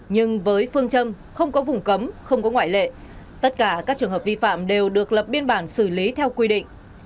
nhưng với phương châm không có vùng cấm không có ngoại lệ tất cả các trường hợp vi phạm đều được lập biên bản xử lý theo quy định